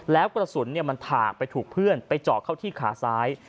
แล้วกระสุนมันถากไปถูกเพื่อนไปเจาะเข้าที่ขาซ้าย